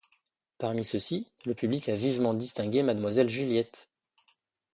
Parmi ceux-ci, le public a vivement distingué mademoiselle Juliette.